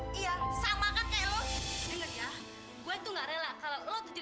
siapa nyuruh kamu masuk